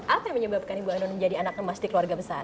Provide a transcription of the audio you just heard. apa yang menyebabkan ibu ainun menjadi anak emas di keluarga besar